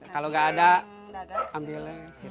kalau nggak ada ambil